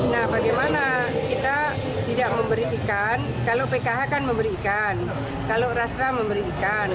nah bagaimana kita tidak memberi ikan kalau pkh kan memberi ikan kalau rasra memberi ikan